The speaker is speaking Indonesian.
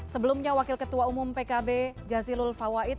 sebelumnya wakil ketua umum pkb jazilul fawait